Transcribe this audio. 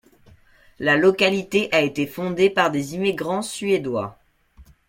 La localité a été fondée par des immigrants suédois.